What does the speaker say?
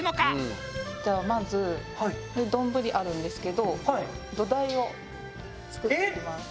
ではまずどんぶりあるんですけど土台を作っていきます。